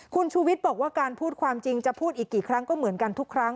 คุณชูวิทย์บอกว่าการพูดความจริงจะพูดอีกกี่ครั้งก็เหมือนกันทุกครั้ง